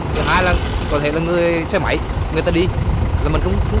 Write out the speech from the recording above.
thứ hai là có thể là người xe máy người ta đi là mình cũng thấy